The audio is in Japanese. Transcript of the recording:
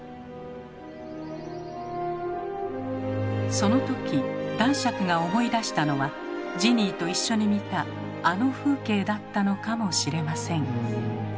その時男爵が思い出したのはジニーと一緒に見たあの風景だったのかもしれません。